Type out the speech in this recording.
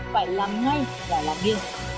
phải làm ngay và làm nghiêng